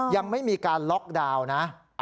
ยังไม่มีการล็อกดาวน์นะ